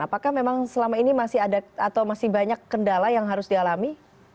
apakah memang selama ini masih ada atau masih banyak kendala yang harus dialami